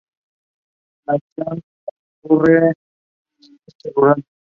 La acción transcurre en el ambiente rural.